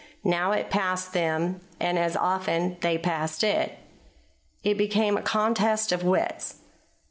Now it passed them, and as often they passed it. It became a contest of wits.